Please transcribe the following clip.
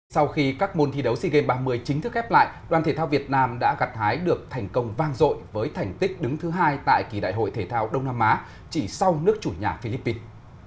sau khi các môn thi đấu sea games ba mươi chính thức khép lại đoàn thể thao việt nam đã gặt hái được thành công vang rội với thành tích đứng thứ hai tại kỳ đại hội thể thao đông nam á chỉ sau nước chủ nhà philippines